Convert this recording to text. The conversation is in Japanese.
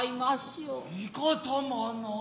いかさまな。